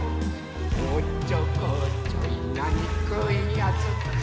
「おっちょこちょいなにくいやつ」